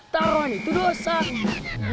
taruhan itu dosa